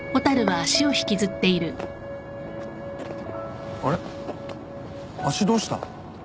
足どうした？